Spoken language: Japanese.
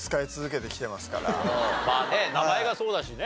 まあね名前がそうだしね。